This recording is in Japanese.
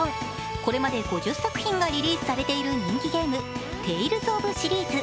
これまで５０作品がリリースされている人気ゲーム「テイルズオブ」シリーズ。